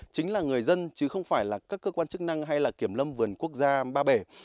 chính là người dân chứ không phải là các cơ quan chức năng hay là kiểm lâm vườn quốc gia ba bể